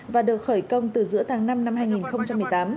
và được khởi công từ giữa tháng năm năm hai nghìn một mươi tám